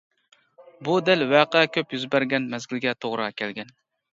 بۇ دەل ۋەقە كۆپ يۈز بەرگەن مەزگىلگە توغرا كەلگەن.